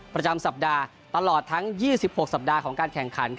ประจำสัปดาห์ตลอดทั้ง๒๖สัปดาห์ของการแข่งขัน